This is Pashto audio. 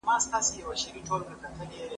موږ بايد د بې نظمۍ مخه ونيسو.